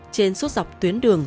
trên suốt dọc tuyến đường